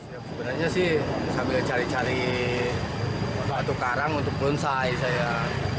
sebenarnya sih saya berjalan cari cari batu karang untuk berunsai saya